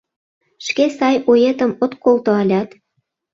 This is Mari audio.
Шке сай оетым от колто алят?